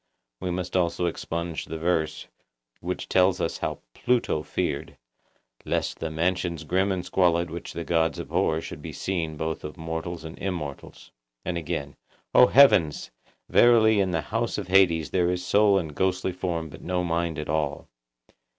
We must also expunge the verse, which tells us how Pluto feared, 'Lest the mansions grim and squalid which the gods abhor should be seen both of mortals and immortals.' And again:— 'O heavens! verily in the house of Hades there is soul and ghostly form but no mind at all!